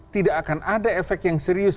tidak akan ada efek yang serius